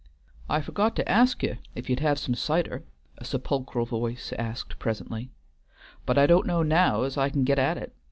"I forgot to ask ye if ye'd have some cider?" a sepulchral voice asked presently; "but I don't know now's I can get at it.